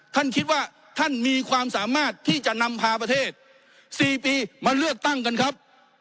ท่านคิดว่าท่านมีความสามารถที่จะนำพาประเทศ๔ปีมาเลือกตั้งกันครับ